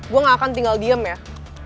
gue gak akan tinggal diem ya